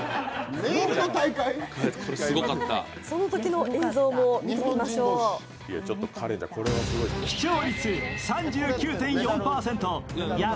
そのときの映像も見てみましょう。